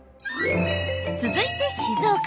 続いて静岡。